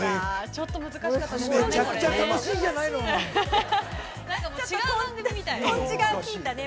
ちょっと難しかったですかねこれね。